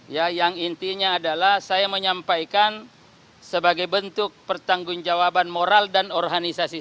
ya yang intinya adalah saya menyampaikan sebagai bentuk pertanggung jawaban moral dan organisasi